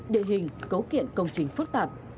địa hình cấu kiện công trình phức tạp